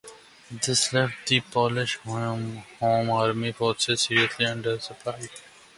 This left the Polish Home Army forces seriously under supplied.